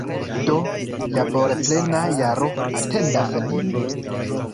Do, laborplena jaro atendas nin!